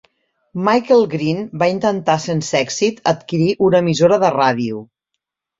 Michael Green va intentar sense èxit adquirir una emissora de ràdio.